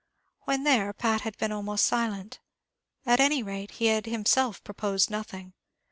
When there, Pat had been almost silent; at any rate, he had himself proposed nothing.